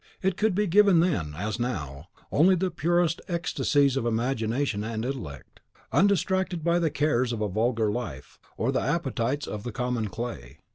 It could be given then, as now, only to the purest ecstasies of imagination and intellect, undistracted by the cares of a vulgar life, or the appetites of the common clay.